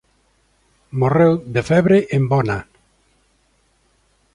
Morreu de febre en Bona.